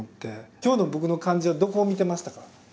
今日の僕の感じはどこを見てましたか？